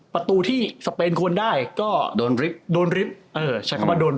ประตูที่สเปนควรได้ก็โดนริฟท์